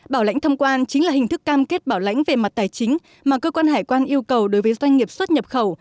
bảo lãnh thông quan chính là hình thức cam kết bảo lãnh về mặt tài chính mà cơ quan hải quan yêu cầu đối với doanh nghiệp xuất nhập khẩu